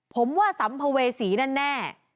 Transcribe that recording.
ผมว่าสัมภเวษีแน่